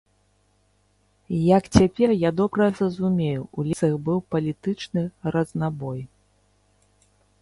Як цяпер я добра разумею, у лекцыях быў палітычны разнабой.